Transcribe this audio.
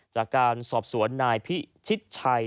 จากการสอบสวนนายพิชิตชัย